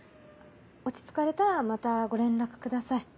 落ち着かれたらまたご連絡ください。